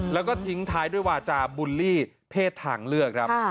แล้วก็ทิ้งท้ายด้วยวาจาบุลลี่เพศทางเลือกครับ